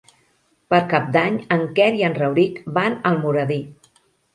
Per Cap d'Any en Quer i en Rauric van a Almoradí.